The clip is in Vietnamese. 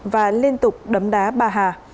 và liên tục đấm đá bà hà